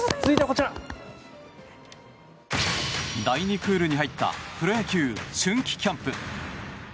第２クールに入ったプロ野球、春季キャンプ。